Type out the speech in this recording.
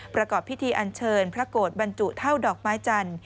ประกอบพิธีอันเชิญพระโกรธบรรจุเท่าดอกไม้จันทร์